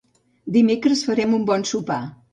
Dimecres farem un bon sopar.